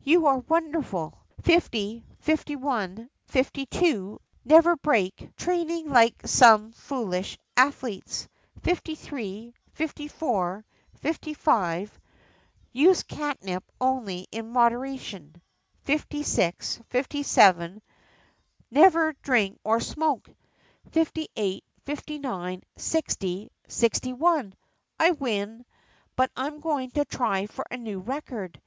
"You are wonderful!" "Fifty, fifty one, fifty two — never break training like some foolish athletes — fifty three, fifty four, fifty five — use catnip only in moderation — fifty six, fifty seven — never drink or smoke — fifty eight, fifty nine, sixty, sixty one! I win! But I 'm going to try for a new record.